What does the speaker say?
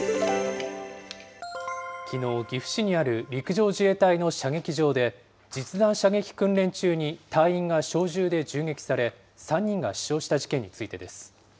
きのう、岐阜市にある陸上自衛隊の射撃場で、実弾射撃訓練中に、隊員が小銃で銃撃され、３人が死傷した事件についてです。